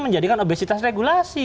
menjadikan obesitas regulasi